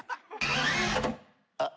あっ。